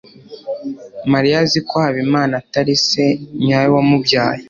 mariya azi ko habimana atari se nyawe wamubyaye